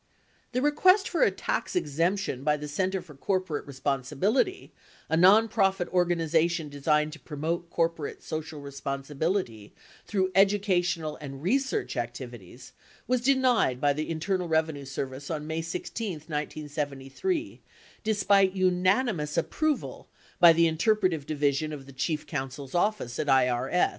83 The request for a tax exemption by the Center for Corporate Be sponsibility, a nonprofit organization designed to promote corporate social responsibility through educational and research activities, was denied by the Internal Bevenue Service on May 16, 1973, despite unanimous approval by the Interpretive Division of the Chief Coun sel's office at IBS.